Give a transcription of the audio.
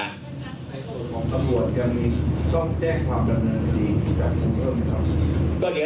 ส่วนของตำลวดยังมีต้องแจ้งความดำเนินดีสิทธิ์การขึ้นเพิ่มนะครับ